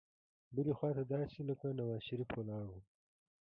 بلې خوا ته داسې لکه نوزا شریف ولاړ وو.